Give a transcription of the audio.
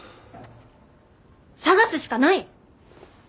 探すしかない！